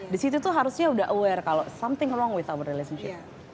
di situ tuh harusnya udah aware kalau something wrong withow relationship